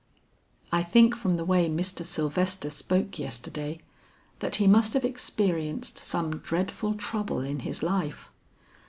"I think from the way Mr. Sylvester spoke yesterday, that he must have experienced some dreadful trouble in his life.